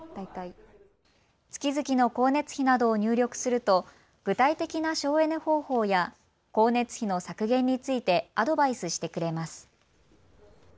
月々の光熱費などを入力すると具体的な省エネ方法や光熱費の削減についてアドバイスしてくれます。